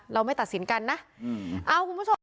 เราไม่ตัดสินกันนะเอาคุณผู้ชม